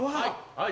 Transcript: はい。